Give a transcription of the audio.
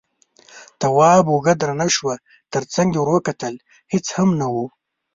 د تواب اوږه درنه شوه، تر څنګ يې ور وکتل، هېڅ هم نه و.